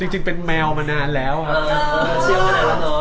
จริงเป็นแมวมานานแล้วครับ